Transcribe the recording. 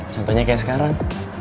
contohnya kayak sekarang